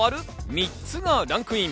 ３つがランクイン。